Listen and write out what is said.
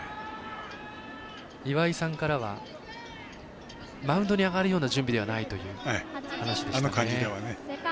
岩井さんからはマウンドに上がるような準備ではないという話でした。